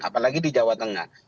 apalagi di jawa tengah